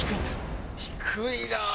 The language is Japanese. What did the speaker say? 低いな。